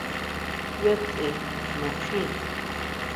¿Ya tsʼe naxín?